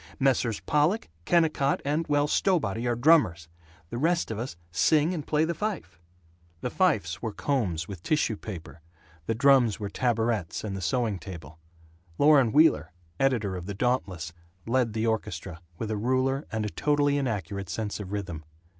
Messrs. Pollock, Kennicott, and, well, Stowbody are drummers; the rest of us sing and play the fife." The fifes were combs with tissue paper; the drums were tabourets and the sewing table. Loren Wheeler, editor of the Dauntless, led the orchestra, with a ruler and a totally inaccurate sense of rhythm.